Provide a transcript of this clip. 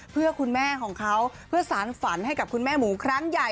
เพื่อคุณแม่ของเขาเพื่อสารฝันให้กับคุณแม่หมูครั้งใหญ่